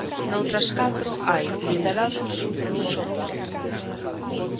Noutras catro hai liderados por un só punto.